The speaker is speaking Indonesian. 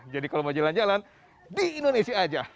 jadi kalau mau jalan jalan di indonesia aja